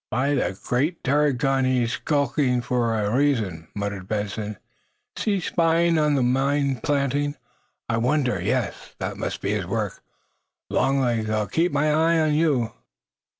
"By the great turret gun! He's skulking for a reason!" muttered Benson. "Is he spying on the mine planting? I wonder? Yes! That must be his work! Long legs, I'll keep my eyes on you!"